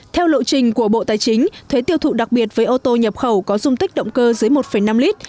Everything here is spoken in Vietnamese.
theo lộ trình của bộ tài chính thuế tiêu thụ đặc biệt với ô tô nhập khẩu có dung tích động cơ dưới một năm lít